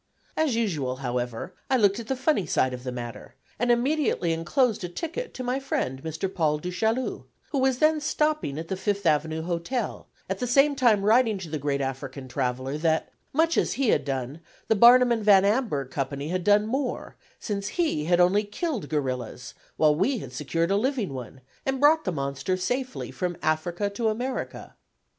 As usual, however, I looked at the funny side of the matter, and immediately enclosed a ticket to my friend Mr. Paul Du Chaillu, who was then stopping at the Fifth Avenue Hotel, at the same time writing to the great African traveller, that, much as he had done; the Barnum and Van Amburgh Company had done more, since he had only killed gorillas, while we had secured a living one, and brought the monster safely from Africa to America.